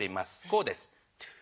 こうです。